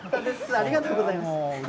ありがとうございます。